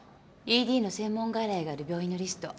ＥＤの専門外来がある病院のリスト。